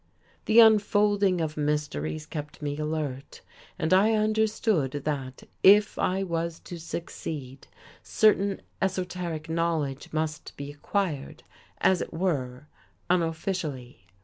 The unfolding of mysteries kept me alert. And I understood that, if I was to succeed, certain esoteric knowledge must be acquired, as it were, unofficially.